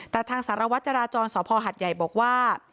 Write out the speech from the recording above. แต่ทางสารวัตรจราจรสพหัดใหญ่บอกว่า